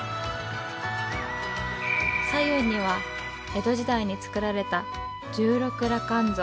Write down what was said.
左右には江戸時代に造られた十六羅漢像。